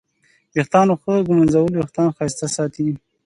د ویښتانو ښه ږمنځول وېښتان ښایسته ساتي.